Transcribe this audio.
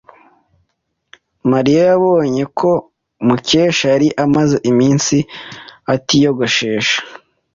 Mariya yabonye ko Mukesha yari amaze iminsi atiyogoshesha.